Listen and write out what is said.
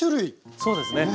そうですね。